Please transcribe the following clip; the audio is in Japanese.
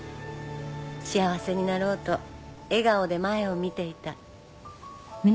幸せになろうと笑顔で前を見ていた。